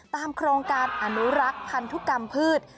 โครงการอนุรักษ์พันธุกรรมพืช